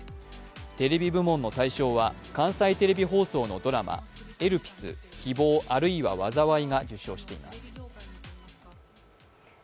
テレビ部門の対象は関西テレビ放送のドラマ「エルピス−希望、あるいは災い−」が受賞しています。